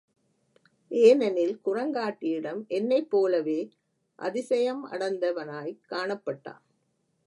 ஏனெனில் குரங்காட்டியிடம் என்னைப் போலவே அதிசயமடைந்தவனாய்க் காணப்பட்டான்.